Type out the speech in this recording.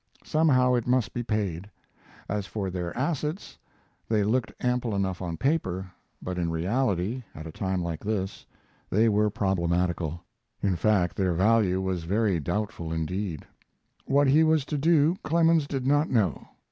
Somehow it must be paid. As for their assets, they looked ample enough on paper, but in reality, at a time like this, they were problematical. In fact, their value was very doubtful indeed. What he was to do Clemens did not know.